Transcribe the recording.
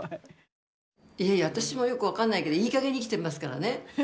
私もよく分かんないけどいいかげんに生きてますからね。